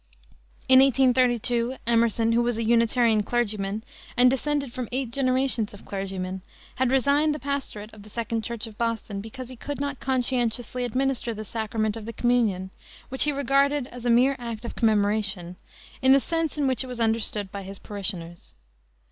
In 1832 Emerson, who was a Unitarian clergyman, and descended from eight generations of clergymen, had resigned the pastorate of the Second Church of Boston because he could not conscientiously administer the sacrament of the communion which he regarded as a mere act of commemoration in the sense in which it was understood by his parishioners.